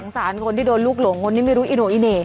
สารคนที่โดนลูกหลงคนนี้ไม่รู้อิโนอิเน่